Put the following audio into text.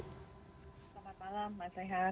selamat malam mas sehat